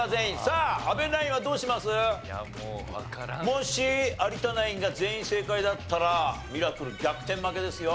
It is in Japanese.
もし有田ナインが全員正解だったらミラクル逆転負けですよ